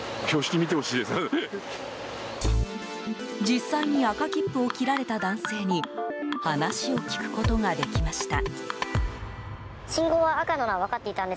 実際に赤切符を切られた男性に話を聞くことができました。